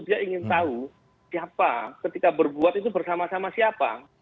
dia ingin tahu siapa ketika berbuat itu bersama sama siapa